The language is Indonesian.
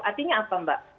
artinya apa mbak